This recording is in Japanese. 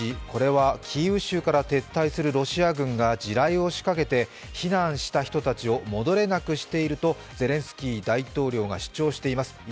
これはキーウ州から撤退するロシア軍が地雷を仕掛けて、避難した人たちを戻れなくしていると、ゼレンスキー大統領が主張しています。